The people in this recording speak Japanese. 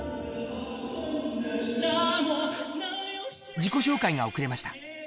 自己紹介が遅れました。